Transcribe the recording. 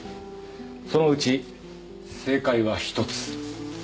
そのうち正解は一つ。